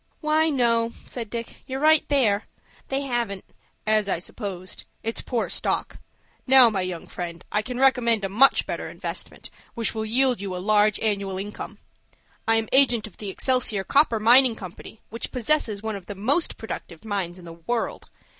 "Why, no," said Dick; "you're about right there. They haven't." "As I supposed. It's poor stock. Now, my young friend, I can recommend a much better investment, which will yield you a large annual income. I am agent of the Excelsior Copper Mining Company, which possesses one of the most productive mines in the world.